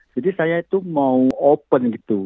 jadi saya itu mau open gitu